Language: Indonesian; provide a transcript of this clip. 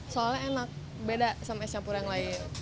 soalnya enak beda sama es campur yang lain